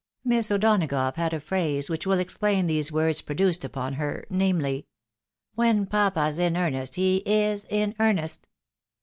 Miss O'Donagough had a phrase which will explain the effect these words produced upon her, namely —" When papa's in earnest he is in earnest."